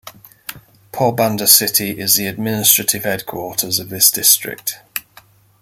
Porbandar city is the administrative headquarters of this district.